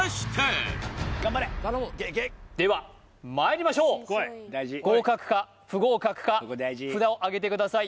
ではまいりましょう合格か不合格か札をあげてください